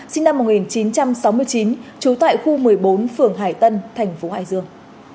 sinh năm một nghìn chín trăm sáu mươi chín trú tại khu một mươi bốn phường hải tân thành phố hải dương